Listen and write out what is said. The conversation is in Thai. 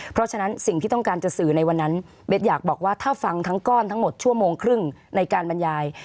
เพราะฉะนั้นสิ่งที่ต้องการจะสื่อในวันนั้นเบสอยากบอกว่าถ้าฟังทั้งก้อนทั้งหมดชั่วโมงครึ่งในการบรรยาย